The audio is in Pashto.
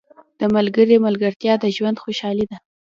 • د ملګري ملګرتیا د ژوند خوشحالي ده.